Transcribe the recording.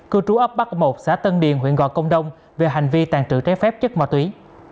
cư trú ấp bắc một xã tân điền huyện gò công đông về hành vi tàn trự trái phép chất ma túy